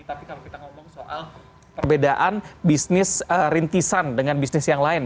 tapi kalau kita ngomong soal perbedaan bisnis rintisan dengan bisnis yang lain